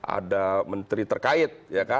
ada menteri terkait